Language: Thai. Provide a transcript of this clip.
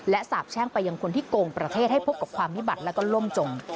และสาบแช่งไปยังคนที่โกงประเทศให้พบกับความวิบัติแล้วก็ล่มจม